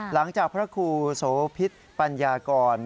หลังจากพระครูโสพิษปัญญากร